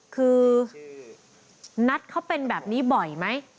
คือนัทเขาเป็นแบบนี้บ่อยไหม